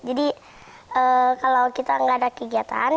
jadi kalau kita nggak ada kegiatan